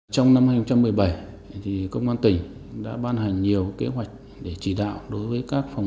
trong năm hai nghìn một mươi bảy công an tỉnh đã ban hành nhiều kế hoạch để chỉ đạo đối với các phòng